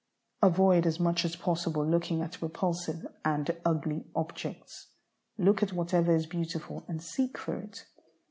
Avoid as much as possible looking at repulsive and ugly objects. Look at whatever is beautiful and seek for it.